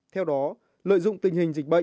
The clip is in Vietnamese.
theo đó lợi dụng tình hình dịch bệnh